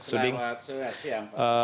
selamat siang pak